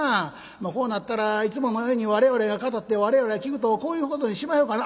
こうなったらいつものように我々が語って我々が聴くとこういうことにしまひょうかな」。